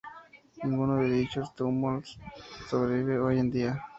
Ninguno de dichos túmulos sobrevive hoy en día.